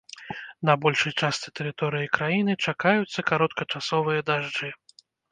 На большай частцы тэрыторыі краіны чакаюцца кароткачасовыя дажджы.